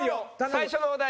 最初のお題